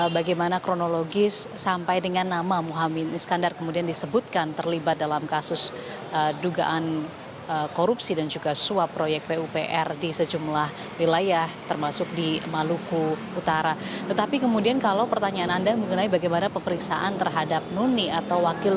bagaimana kemudian peran dan apa modus yang diterapkan terhadap korupsi ini yang dilakukan oleh nunik dan teman teman ini